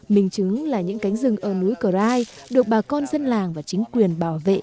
mình chứng là những cánh rừng ở núi cờ rai được bà con dân làng và chính quyền bảo vệ